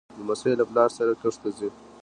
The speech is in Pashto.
لمسی له پلار سره کښت ته ځي.